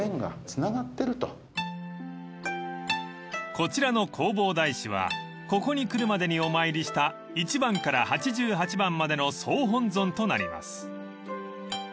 ［こちらの弘法大師はここに来るまでにお参りした一番から八十八番までの総本尊となります］